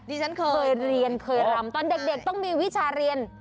ที่ฉันเคยเรียนเคยรำตอนเด็กต้องมีวิชาเรียน